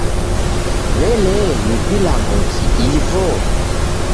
W'elee, ni vilamboki ivo?